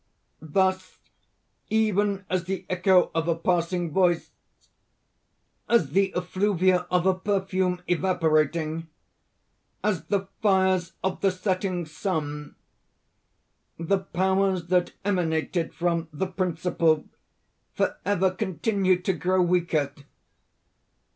Thus, even as the echo of a passing voice, as the effluvia of a perfume evaporating, as the fires of the setting sun, the Powers that emanated from the Principle, forever continue to grow weaker.